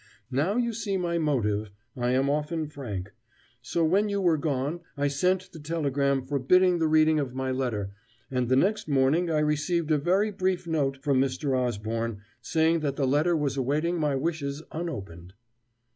Now you see my motive I am often frank. So, when you were gone, I sent the telegram forbidding the reading of my letter; and the next morning I received a very brief note from Mr. Osborne saying that the letter was awaiting my wishes unopened."